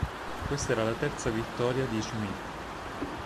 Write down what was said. Questa era la terza vittoria di Schmidt.